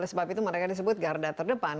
sebab itu mereka disebut garda terdepan